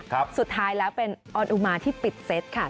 แล้วก็จะเป็นออนุมาที่ปิดเซตค่ะ